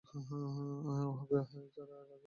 উহাকে ছাড়া রাখিলে চলিবে না।